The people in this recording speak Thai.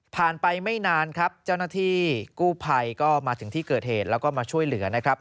ไปไม่นานครับเจ้าหน้าที่กู้ภัยก็มาถึงที่เกิดเหตุแล้วก็มาช่วยเหลือนะครับ